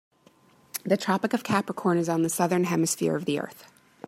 The Tropic of Capricorn is on the Southern Hemisphere of the earth.